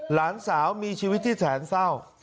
หลานสาวมีชีวิตที่แสนเศร้า